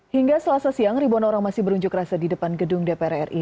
hingga selasa siang ribuan orang masih berunjuk rasa di depan gedung dpr ri